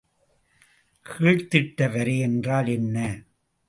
கீழ்த்திட்ட வரை என்றால் என்ன?